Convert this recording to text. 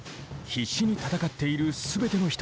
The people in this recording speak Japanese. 必死に戦っている全ての人へ贈る歌。